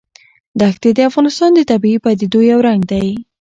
دښتې د افغانستان د طبیعي پدیدو یو رنګ دی.